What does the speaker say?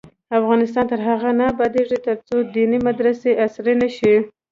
افغانستان تر هغو نه ابادیږي، ترڅو دیني مدرسې عصري نشي.